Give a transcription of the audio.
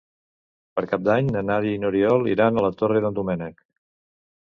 Per Cap d'Any na Nàdia i n'Oriol iran a la Torre d'en Doménec.